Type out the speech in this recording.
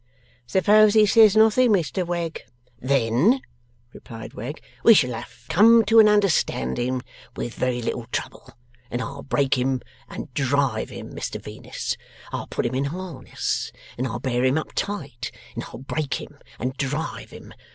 'Suppose he says nothing, Mr Wegg?' 'Then,' replied Wegg, 'we shall have come to an understanding with very little trouble, and I'll break him and drive him, Mr Venus. I'll put him in harness, and I'll bear him up tight, and I'll break him and drive him.